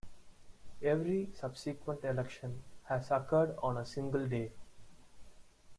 Every subsequent election has occurred on a single day.